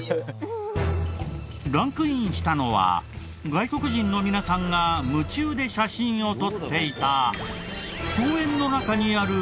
ランクインしたのは外国人の皆さんが夢中で写真を撮っていた公園の中にある意外な建もの。